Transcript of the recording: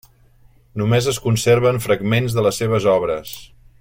Només es conserven fragments de les seves obres.